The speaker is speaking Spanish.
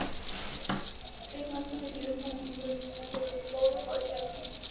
Es más conocido como miembro original de los Four Horsemen.